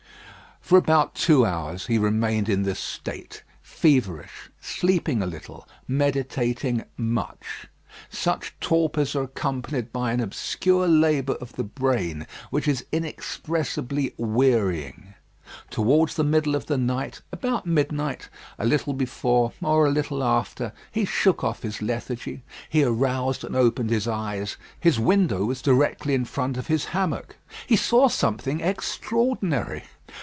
For about two hours he remained in this state, feverish, sleeping a little, meditating much. Such torpors are accompanied by an obscure labour of the brain, which is inexpressibly wearying. Towards the middle of the night, about midnight, a little before or a little after, he shook off his lethargy. He aroused, and opened his eyes. His window was directly in front of his hammock. He saw something extraordinary.